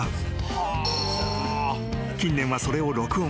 ［近年はそれを録音。